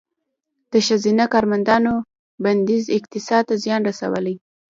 د ښځینه کارمندانو بندیز اقتصاد ته زیان رسولی؟